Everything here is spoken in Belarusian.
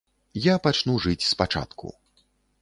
Я пачну жыць спачатку.